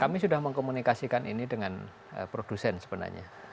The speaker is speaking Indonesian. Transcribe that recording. kami sudah mengkomunikasikan ini dengan produsen sebenarnya